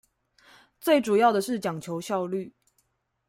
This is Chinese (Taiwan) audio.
最主要的是講求效率